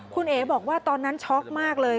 คุณเอ๋บอกว่าตอนนั้นช็อกมากเลย